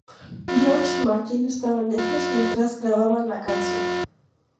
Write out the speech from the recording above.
George Martin estaba lejos mientras grababan la canción.